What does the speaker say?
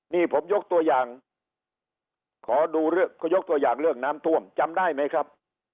นี่ผมยกตัวอย่างขอดูเขายกตัวอย่างเรื่องน้ำท่วมจำได้ไหมครับ